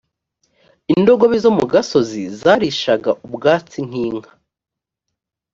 indogobe zo mu gasozi zarishaga ubwatsi nk’inka